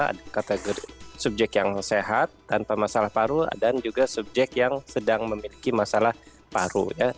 ada kategori subjek yang sehat tanpa masalah paru dan juga subjek yang sedang memiliki masalah paru